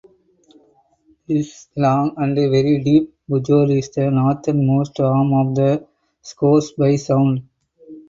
This long and very deep fjord is the northernmost arm of the Scoresby Sound.